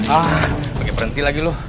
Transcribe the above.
ah lagi berhenti lagi lo